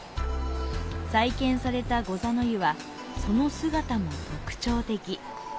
再建された御座之湯は、その姿も特徴的。